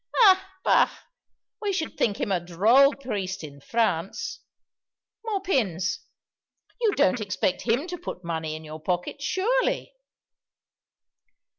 "Ah, bah! we should think him a droll priest in France. (More pins.) You don't expect him to put money in your pocket, surely?"